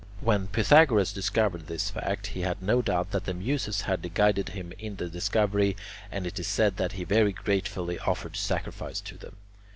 When Pythagoras discovered this fact, he had no doubt that the Muses had guided him in the discovery, and it is said that he very gratefully offered sacrifice to them.